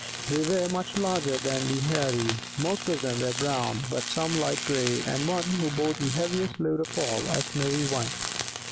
They were much larger than the Heirie; most of them were brown, but some light grey, and one, who bore the heaviest load of all, a snowy white.